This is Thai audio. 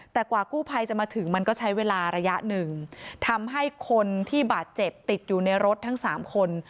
แต่กว่ากู้ภัยจะมาถึงมันก็ใช้เวลาระยะหนึ่งทำให้คนที่บาดเจ็บติดอยู่ในรถทั้งสามคน